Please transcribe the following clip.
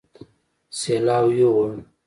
سېلاو يوړ